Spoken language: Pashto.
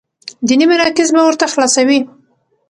ديني مراکز به ورته خلاصوي،